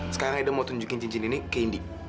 sekarang ido mau tunjukin cincin ini ke indi